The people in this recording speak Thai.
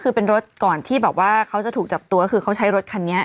คือเป็นรถก่อนที่แบบว่าเขาจะถูกจับตัวคือเขาใช้รถคันนี้